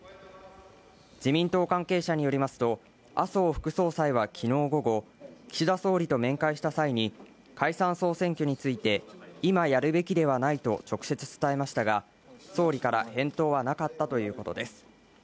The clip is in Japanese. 自民党関係者によりますと、麻生副総裁は昨日午後、岸田総理と面会した際に、解散総選挙について、今やるべきではないと直接伝えましたが、総理から返答はなかったということです。